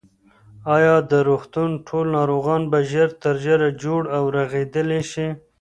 ایا د روغتون ټول ناروغان به ژر تر ژره جوړ او رغېدلي شي؟